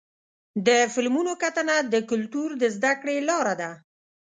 د فلمونو کتنه د کلتور د زدهکړې لاره ده.